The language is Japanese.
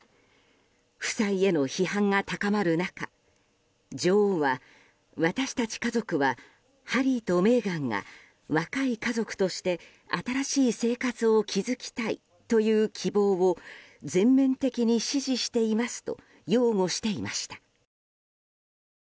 夫妻への批判が高まる中女王は私たち家族はハリーとメーガンが若い家族として新しい生活を築きたいという希望を全面的に支持していますと擁護していました。